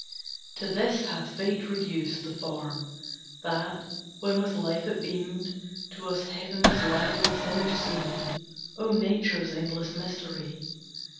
To this hath Fate reduced The form, that, when with life it beamed, To us heaven's liveliest image seemed. O Nature's endless mystery!